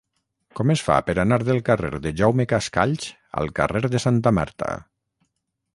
Com es fa per anar del carrer de Jaume Cascalls al carrer de Santa Marta?